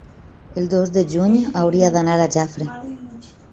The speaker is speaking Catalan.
el dos de juny hauria d'anar a Jafre.